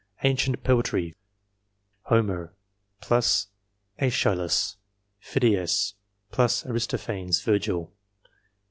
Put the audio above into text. Ancient poetry ... HOMER, *JEschylus, Phidias, *Aristophanes, Virgil.